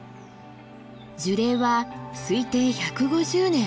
樹齢は推定１５０年。